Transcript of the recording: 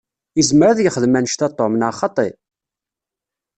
Izmer ad yexdem annect-a Tom, neɣ xaṭi?